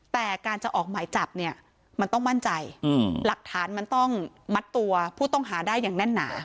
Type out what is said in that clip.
แต่การจะออกหมายจับเนี่ยมันต้องมั่นใจหลักฐานมันต้องมัดตัวผู้ต้องหาได้อย่างแน่นหนา